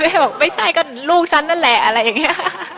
บอกไม่ใช่ก็ลูกฉันนั่นแหละอะไรอย่างนี้